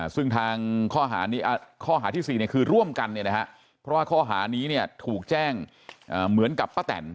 ซึ่งทางข้อหาที่๔คือร่วมกันเพราะว่าข้อหานี้ถูกแจ้งเหมือนกับป้าแตน